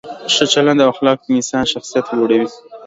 ښه چلند او اخلاق د انسان شخصیت لوړوي.